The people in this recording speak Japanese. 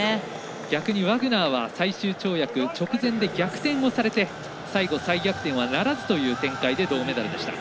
逆にワグナーは最終跳躍直前で逆転をされて最後、再逆転はならずという展開で銅メダルでした。